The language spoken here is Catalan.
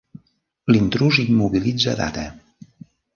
L"intrús immobilitza Data.